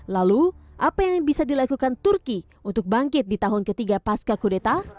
lalu apa yang bisa dilakukan turki untuk bangkit di tahun ketiga pasca kudeta